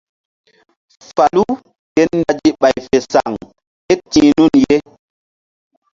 Falu ke ndazi ɓay fe saŋ ké ti̧h nun ye.